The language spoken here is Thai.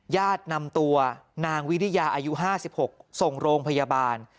ญาตินำตัวนางวิริยาอายุ๕๖ส่งโรงพยาบาล